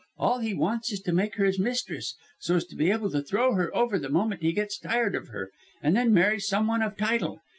"All he wants is to make her his mistress, so as to be able to throw her over the moment he gets tired of her, and then marry some one of title.